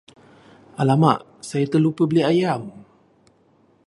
Alamak, saya terlupa beli ayam!